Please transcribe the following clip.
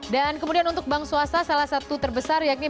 dan kemudian untuk bank suasa salah satu terbesar yakni